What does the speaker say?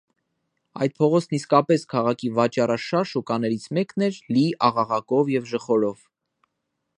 Այդ փողոցն իսկապես քաղաքի վաճառաշահ շուկաներից մեկն էր՝ լի աղաղակով և ժխորով: